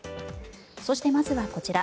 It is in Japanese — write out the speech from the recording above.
そして、まずはこちら。